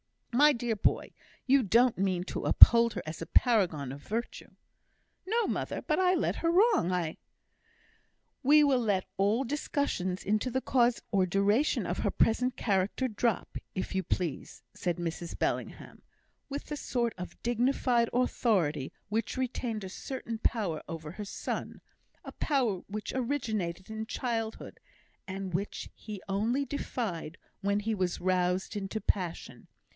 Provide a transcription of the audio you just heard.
"My dear boy, you don't mean to uphold her as a paragon of virtue!" "No, mother, but I led her wrong; I " "We will let all discussions into the cause or duration of her present character drop, if you please," said Mrs Bellingham, with the sort of dignified authority which retained a certain power over her son a power which originated in childhood, and which he only defied when he was roused into passion.